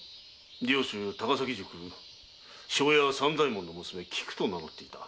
上州高崎宿庄屋三左衛門の娘「きく」と名乗っていた。